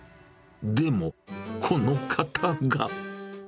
でも、この方が。